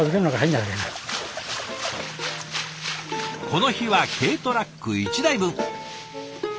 この日は軽トラック１台分。